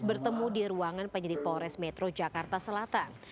bertemu di ruangan penyidik polres metro jakarta selatan